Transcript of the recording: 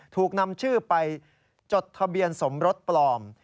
ถูกนำชื่อไปจดทะเบียนสมรสปลอม